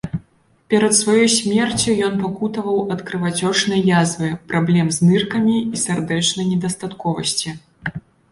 Перад сваёй смерцю ён пакутаваў ад крывацёчнай язвы, праблем з ныркамі і сардэчнай недастатковасці.